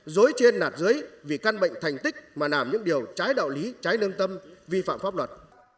dối trên nạt dưới vì căn bệnh thành tích mà làm những điều trái đạo lý trái nương tâm vi phạm pháp luật